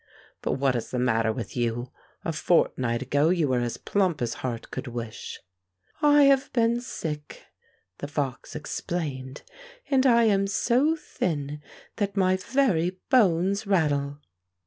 ''But what is the matter with you? A fortnight ago you were as plump as heart could wish." " I have been sick," the fox explained, " and I am so thin that my very bones rattle."